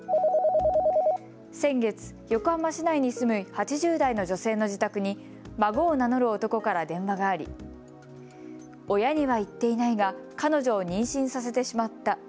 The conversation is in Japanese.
先月、横浜市内に住む８０代の女性の自宅に孫を名乗る男から電話があり親には言っていないが彼女を妊娠させてしまった。